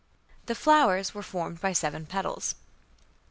The flowers were formed by seven petals."